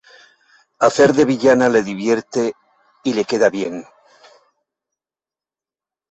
Hacer de villana le divierte y le queda bien.